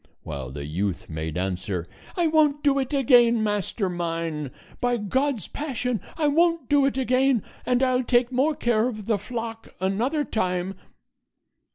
while the youth made answer, "I won't do it again, master mine; by God's passion, I won't do it again, and I'll take more care of the flock another time."